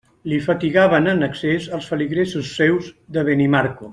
Li fatigaven en excés els feligresos seus de Benimarco.